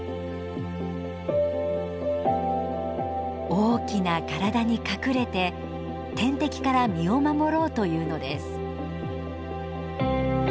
大きな体に隠れて天敵から身を守ろうというのです。